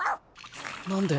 なんで？